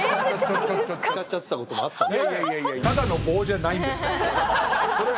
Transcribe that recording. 使っちゃってたこともあったんです。